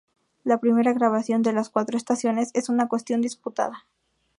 La primera grabación de "Las cuatro estaciones" es una cuestión disputada.